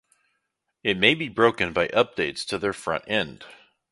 it may be broken by updates to their front end